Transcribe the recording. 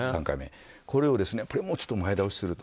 これをもうちょっと前倒しすると。